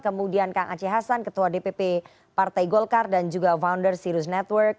kemudian kang aceh hasan ketua dpp partai golkar dan juga founder sirus network